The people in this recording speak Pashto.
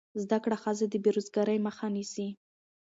زده کړه ښځه د بېروزګارۍ مخه نیسي.